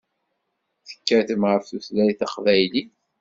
Tekkatem ɣef tutlayt taqbaylit.